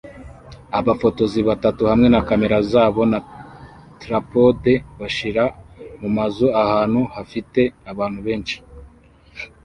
Abafotozi batatu hamwe na kamera zabo na trapode bashira mumazu ahantu hafite abantu benshi